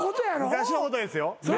昔のことですよ。